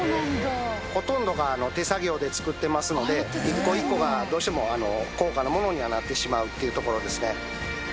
ほとんどが手作業で作ってますので１個１個がどうしても高価なものにはなってしまうっていうところですね。